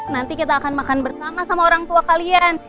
nanti kita akan makan bersama sama orang tua kalian